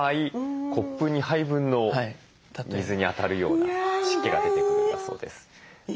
コップ２杯分の水にあたるような湿気が出てくるんだそうです。